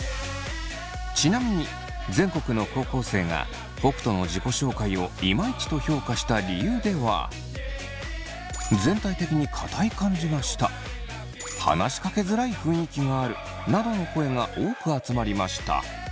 ちなみに全国の高校生が北斗の自己紹介をイマイチと評価した理由ではなどの声が多く集まりました。